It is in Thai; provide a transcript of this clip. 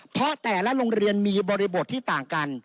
เพราะแต่ละโรงเรียนมีบริบทที่ต่างกัน